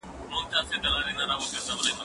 زه اوږده وخت کتاب وليکم!.